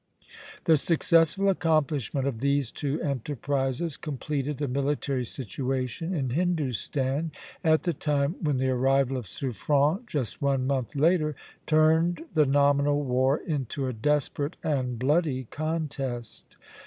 The successful accomplishment of these two enterprises completed the military situation in Hindostan at the time when the arrival of Suffren, just one month later, turned the nominal war into a desperate and bloody contest.